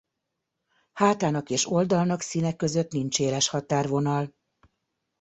Hátának és oldalnak színe között nincs éles határvonal.